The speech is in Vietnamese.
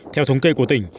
theo thống kê của tỉnh